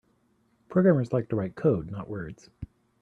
Programmers like to write code; not words.